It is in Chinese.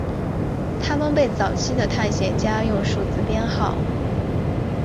他们被早期的探险家用数字编号。